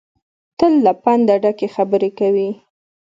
تل له پنده ډکې خبرې کوي.